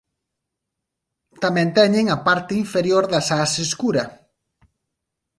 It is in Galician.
Tamén teñen a parte inferior das ás escura.